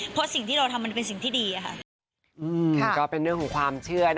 เพราะสิ่งที่เราทำมันเป็นสิ่งที่ดีอะค่ะ